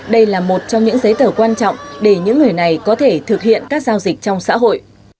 đây là một trong những giấy tờ quan trọng để những người này có thể thực hiện các giao dịch trong xã hội